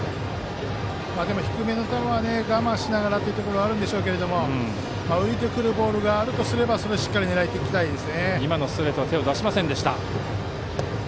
低めの球は我慢しながらというところがあるでしょうが浮いてくるボールがあるとすればしっかり狙いたいです。